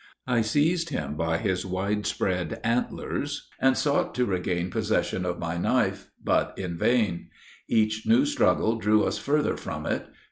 I seized him by his wide spread antlers, and sought to regain possession of my knife, but in vain; each new struggle drew us further from it.